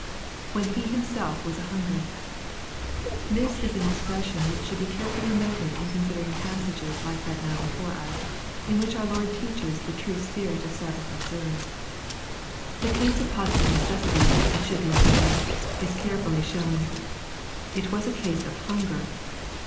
[ When himself was an hungered.] This is an expression which should be carefiilly noted in considering passages like that now before us, in which our Lord teaches the true spirit of Sabbath observamce. The case of positive necessity, it should be observed, is carefully shovm. It was a case of "hunger."